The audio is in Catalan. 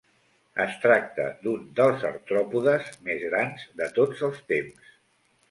Es tracta d'un dels artròpodes més grans de tots els temps.